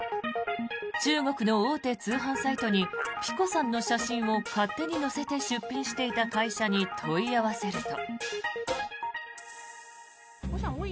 中国の大手通販サイトにｐｉｃｏさんの写真を勝手に載せて出品していた会社に問い合わせると。